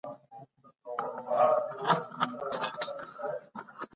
دا کوچنی دئ.